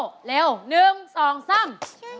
ช่วยช่วย